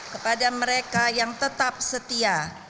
kepada mereka yang tetap setia